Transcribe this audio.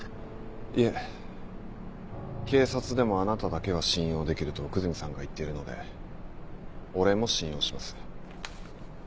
いえ警察でもあなただけは信用できると奥泉さんが言っているので俺も信用します。